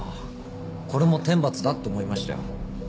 これも天罰だって思いましたよ。